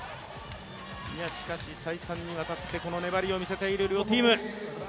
しかし再三にわたって粘りを見せている両チーム。